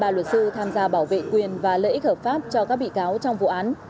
ba luật sư tham gia bảo vệ quyền và lợi ích hợp pháp cho các bị cáo trong vụ án